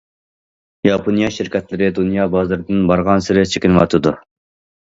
ياپونىيە شىركەتلىرى دۇنيا بازىرىدىن بارغانسېرى چېكىنىۋاتىدۇ.